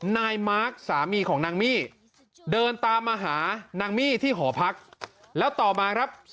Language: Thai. นายมาร์คสามีของนางมี่เดินตามมาหานางมี่ที่หอพักแล้วต่อมาครับ